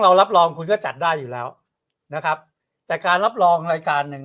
รับรองคุณก็จัดได้อยู่แล้วนะครับแต่การรับรองรายการหนึ่ง